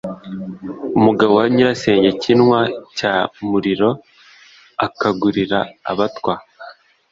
umugabo wa Nyirasenge Kinwa cya Muriro akagurira abatwa